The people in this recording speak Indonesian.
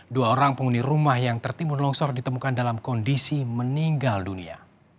dua orang penghuni rumah yang tertimbun longsor ditemukan dalam kondisi meninggal dunia